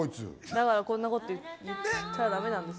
だからこんなこと言っちゃダメなんです。